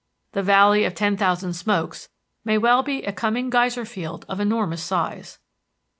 The "Valley of Ten Thousand Smokes" may well be a coming geyser field of enormous size.